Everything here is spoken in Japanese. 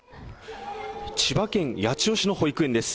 千葉県八千代市の保育園です。